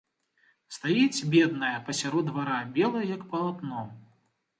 Стаіць, бедная, пасярод двара белая як палатно.